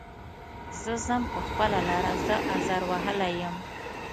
زه ځم په خپله لاره زه ازار وهلی یم.